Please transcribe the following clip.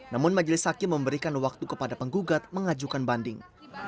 namun majelis hakim memberikan waktu kepada penggugat mengajukan banding